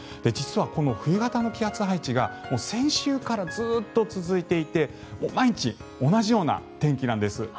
実はこの冬型の気圧配置が先週からずっと続いていて毎日同じような天気なんです。